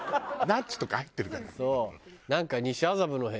ナッツとか入ってるから。